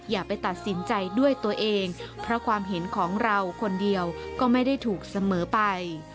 อย่าไปตัดสินใจด้วยตัวเองเพราะความเห็นของเราคนเดียวก็ไม่ได้ถูกเสมอไป